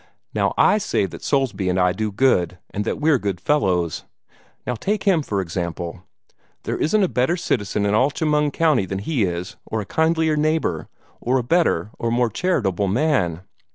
Now I say that Soulsby and I do good, and that we're good fellows. Now take him, for example. There isn't a better citizen in all Chemung County than he is, or a kindlier neighbor, or a better or more charitable man.